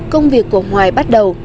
công việc của hoài bắt đầu